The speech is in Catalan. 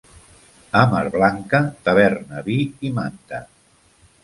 A mar blanca, taverna, vi i manta.